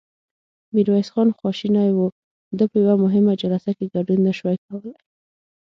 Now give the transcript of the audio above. ميرويس خان خواشينی و، ده په يوه مهمه جلسه کې ګډون نه شوای کولای.